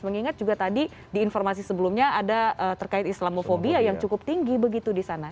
mengingat juga tadi di informasi sebelumnya ada terkait islamofobia yang cukup tinggi begitu di sana